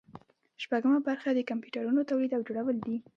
شپږمه برخه د کمپیوټرونو تولید او جوړول دي.